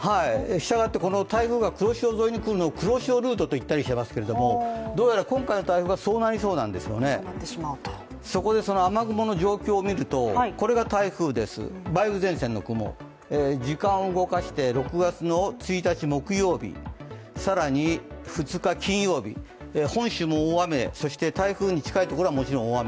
従って台風が黒潮沿いに来ることを黒潮ルートと言ったりしていますがどうも今回の台風がそうなりそうなんですよね、そこで雨雲の状況を見るとこれが台風です、梅雨前線の雲、時間を動かして６月１日木曜日、更に２日金曜日、本州も大雨そして台風に近いところはもちろん大雨。